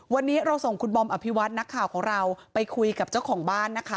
วันนี้เราส่งคุณบอมอภิวัตนักข่าวของเราไปคุยกับเจ้าของบ้านนะคะ